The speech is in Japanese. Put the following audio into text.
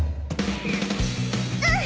うん！